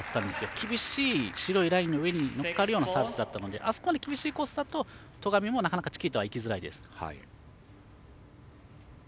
厳しい白いラインの上にのるようなサービスだったのであそこまで厳しいコースだと戸上もなかなかチキータはいきづらいです。